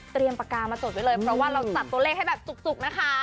เตรียมปากกาจดไว้เลยเพราะว่าเราจัดตัวเลขให้จุกนะคะ